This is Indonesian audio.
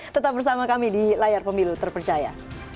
tetap bersama kami di layar pemilu terpercaya